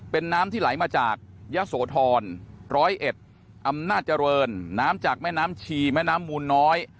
เป็นน้ำที่ไหลมาจากยะโสธร๑๐๑อำนาจเจริญน้ำจากแม่น้ำชีแม่น้ำมูลน้อย